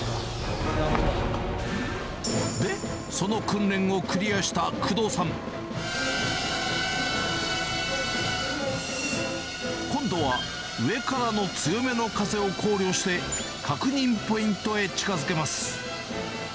で、その訓練をクリアした工藤さん。今度は上からの強めの風を考慮して、確認ポイントへ近づけます。